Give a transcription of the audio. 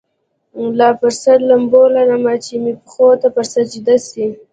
لا پر سر لمبه لرمه چي مي پښو ته پر سجده سي